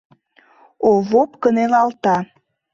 Овоп кынелалта.